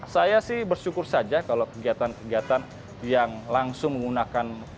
saya sih bersyukur saja kalau kegiatan kegiatan yang langsung menggunakan